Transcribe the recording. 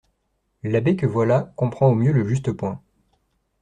L'abbé que voilà comprend au mieux le juste point.